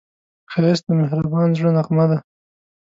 ښایست د مهربان زړه نغمه ده